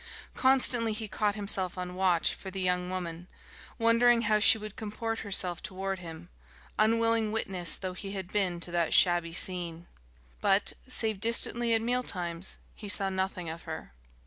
Constantly he caught himself on watch for the young woman, wondering how she would comport herself toward him, unwilling witness though he had been to that shabby scene. But, save distantly at meal times, he saw nothing of her.